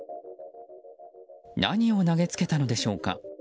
何を投げつけたのでしょうか。